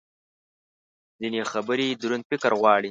ځینې خبرې دروند فکر غواړي.